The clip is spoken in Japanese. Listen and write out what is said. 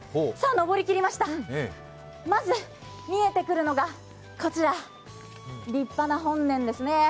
登り切りました、まず見えてくるのがこちら、立派な本殿ですね。